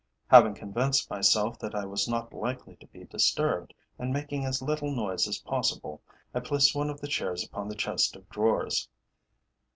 Having convinced myself that I was not likely to be disturbed, and making as little noise as possible, I placed one of the chairs upon the chest of drawers.